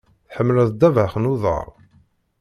Tḥemmleḍ ddabex n uḍaṛ?